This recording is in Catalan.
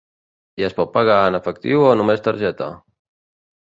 I es pot pagar en efectiu o només targeta?